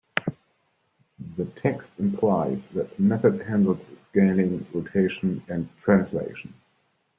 The text implies that method handles scaling, rotation, and translation.